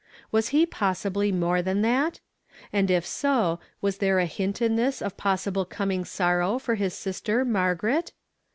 Was he pos sibly more than that ? And if so, was there a hint in this of possible coming sorrow for his sister Margaret?